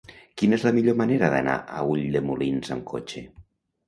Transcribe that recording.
Quina és la millor manera d'anar a Ulldemolins amb cotxe?